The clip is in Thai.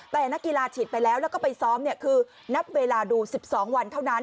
แต่นักกีฬาฉีดไปแล้วแล้วก็ไปซ้อมคือนับเวลาดู๑๒วันเท่านั้น